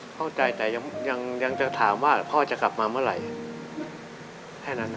เข้าใจแต่ยังจะถามว่าพ่อจะกลับมาเมื่อไหร่แค่นั้น